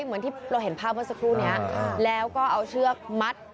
เหมือนที่เราเห็นภาพเมื่อสักครู่นี้แล้วก็เอาเชือกมัด